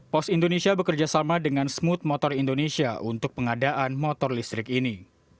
pos indonesia bekerjasama dengan smooth motor indonesia untuk pengadaan motor listrik ini